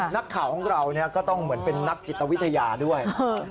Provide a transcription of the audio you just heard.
นักข่าวของเราก็ต้องเหมือนเป็นนักจิตวิทยาด้วย